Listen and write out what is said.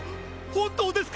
本当ですか？